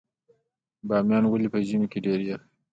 بامیان ولې په ژمي کې ډیر یخ وي؟